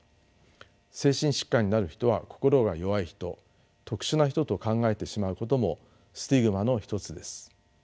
精神疾患になる人は心が弱い人特殊な人と考えてしまうこともスティグマの一つです。